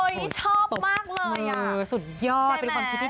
สุดยอดเป็นความคิดที่ดีมาก